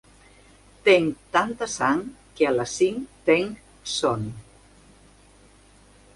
Tenc tanta sang que a les cinc tenc son.